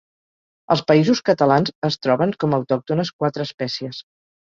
Als Països Catalans es troben com autòctones quatre espècies.